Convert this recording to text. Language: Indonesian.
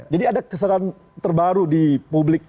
jadi ada kesadaran terbaru di publik